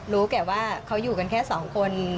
แก่ว่าเขาอยู่กันแค่สองคน